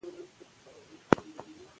که موخه وي نو لاره نه ورکېږي.